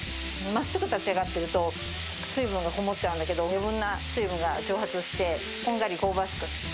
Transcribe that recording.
真っすぐ立ち上がってると水分がこもっちゃうんだけど余分な水分が蒸発してこんがり香ばしく焼けるんです。